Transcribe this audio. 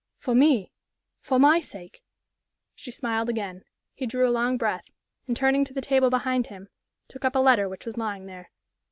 "For me? For my sake?" She smiled again. He drew a long breath, and turning to the table behind him, took up a letter which was lying there.